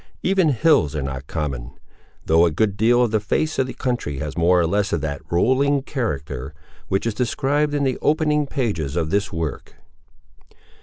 Even hills are not common; though a good deal of the face of the country has more or less of that "rolling" character, which is described in the opening pages of this work.